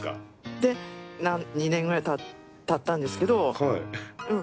で２年ぐらいたったんですけどうん。